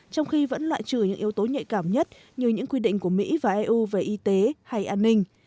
trong khi vẫn loại trừ những yếu tố nhạy cảm nhất như những quy định của mỹ và eu về y tế hay an ninh